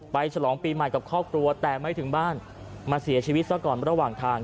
ฉลองปีใหม่กับครอบครัวแต่ไม่ถึงบ้านมาเสียชีวิตซะก่อนระหว่างทาง